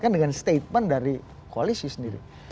kan dengan statement dari koalisi sendiri